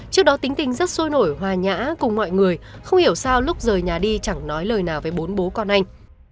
trước đó tính tình rất sôi nổi hòa nhã cùng mọi người không hiểu sao lúc rời nhà đi chẳng nói lời nào với bốn bố con anh